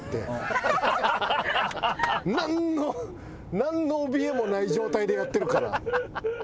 何のおびえもない状態でやってるから。